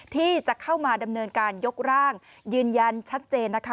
ที่จะเข้ามาดำเนินการยกร่างยืนยันชัดเจนนะคะ